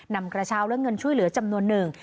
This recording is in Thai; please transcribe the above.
นำกระเช้าและเงินช่วยเหลือจำนวนหนึ่ง